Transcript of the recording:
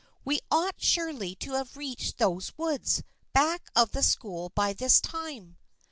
" We ought surely to have reached those woods back of the school by this time."